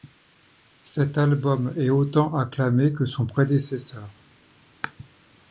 Cet album est autant acclamé que son prédécesseur.